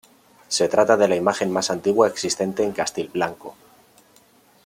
Se trata de la imagen más antigua existente en Castilblanco.